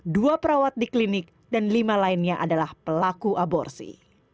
dua perawat di klinik dan lima lainnya adalah pelaku aborsi